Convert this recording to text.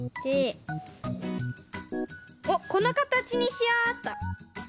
おっこのかたちにしようっと。